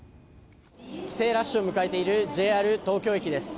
帰省ラッシュを迎えているＪＲ東京駅です。